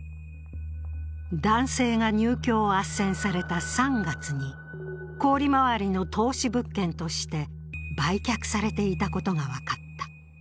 男性が入居をあっせんされた３月に高利回りの投資物件として売却されていたことが分かった。